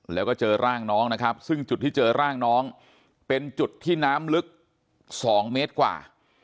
แล้วก็เจอร่างน้องนะครับซึ่งจุดที่เจอร่างน้องเป็นจุดที่น้ำลึก๒เมตรกว่า